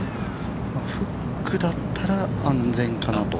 フックだったら安全かなと。